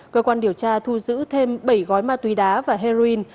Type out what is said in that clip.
cơ quan điều tra thu giữ thêm bảy gói ma túy đá và heroin